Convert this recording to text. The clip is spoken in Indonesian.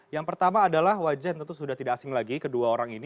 yang pertama adalah wajah yang tentu sudah tidak asing lagi kedua orang ini